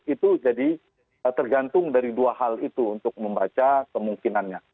itu jadi tergantung dari dua hal itu untuk membaca kemungkinannya